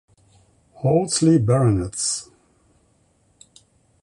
Wolseley baronets